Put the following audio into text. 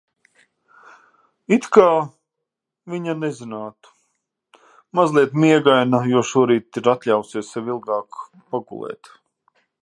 It kā viņa nezinātu. Mazliet miegaina, jo šorīt ir atļāvusi sev ilgāk pagulēt.